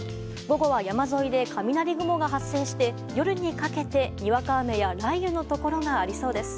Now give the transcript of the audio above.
午後は山沿いで雷雲が発生して夜にかけて、にわか雨や雷雨のところがありそうです。